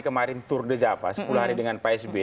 kemarin tour de java sepuluh hari dengan pak sby